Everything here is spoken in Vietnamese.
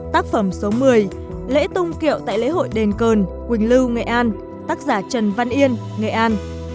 tác phẩm số một mươi lễ tung kiệu tại lễ hội đền cờn quỳnh quỳnh lưu nghệ an tác giả trần văn yên nghệ an